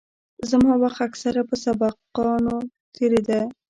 زما وخت اکثره په سبقانو تېرېده.